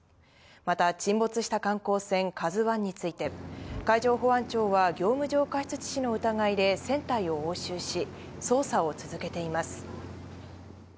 また沈没した観光船「ＫＡＺＵ１」について、海上保安庁は業務上過失致死の疑いで船体を押収し、捜査を続けています。